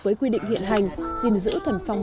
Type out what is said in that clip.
với quy định hiện hành gìn giữ thuần phong